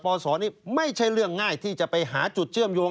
ศนี้ไม่ใช่เรื่องง่ายที่จะไปหาจุดเชื่อมโยง